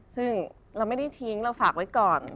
ซึ่งเราไม่ได้ทิ้งเราฝากไว้ก่อน